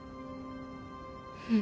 うん。